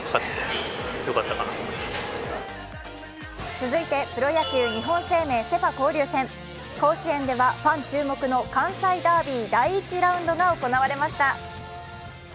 続いてプロ野球日本生命セ・パ交流戦甲子園ではファン注目の関西ダービー第１ラウンドが行われました。